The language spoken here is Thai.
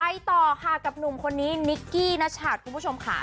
เริ่มไกลต่อค่ะกับหนุ่มคนนี้นิกกี้ณชาติคุณผู้ชมข่า